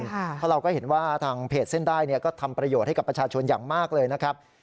เพราะเราก็เห็นว่าทางเพจเส้นได้ก็ทำประโยชน์ให้กับประชาชนอย่างมากเลยนะครับ